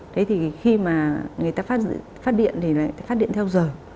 thế thì khi mà người ta phát điện thì lại phát điện theo giờ